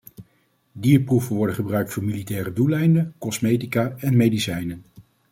Dierproeven worden gebruikt voor militaire doeleinden, cosmetica en medicijnen.